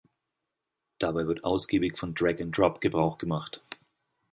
Dabei wird ausgiebig von Drag and Drop Gebrauch gemacht.